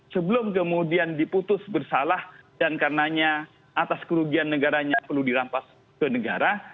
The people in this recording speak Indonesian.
sebelum kemudian diputus bersalah dan karenanya atas kerugian negaranya perlu dirampas ke negara